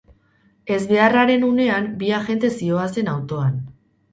Ezbeharraren unean bi agente zihoazen autoan.